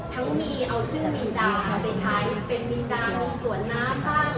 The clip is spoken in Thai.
ทั้งมีเอาชื่อมินดาค่ะไปใช้เป็นมินดาลงสวนน้ำบ้าง